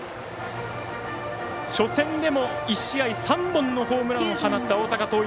初戦でも１試合３本のホームランを放った大阪桐蔭。